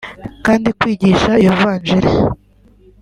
Kandi kwigisha iyo vanjiri